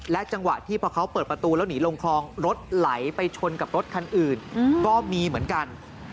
จังหวะที่พอเขาเปิดประตูแล้วหนีลงคลองรถไหลไปชนกับรถคันอื่นก็มีเหมือนกัน